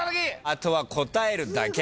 あとは答えるだけ。